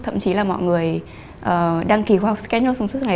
thậm chí là mọi người đăng ký khoa học sketch note trong suốt ngày